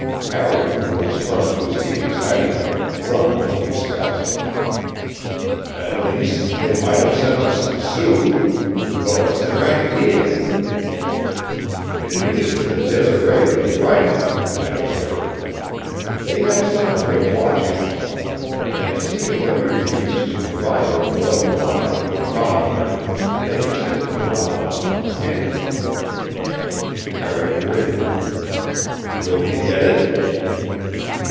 Harry, who had sprung to his feet excitedly, grumbled in disgust. "At least, they might have sent us some soup. But what's their idea?" "It means that Desiree was right," I observed. "They have some way of watching us. And, seeing that we refused to provide their beloved monarch with provender, they have sent him an allowance from the pantry." Harry grinned. "Will he get it?"